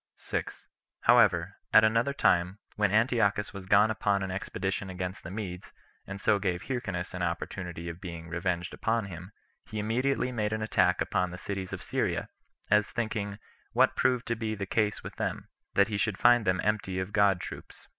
6. However, at another time, when Antiochus was gone upon an expedition against the Medes, and so gave Hyrcanus an opportunity of being revenged upon him, he immediately made an attack upon the cities of Syria, as thinking, what proved to be the case with them, that he should find them empty of good troops.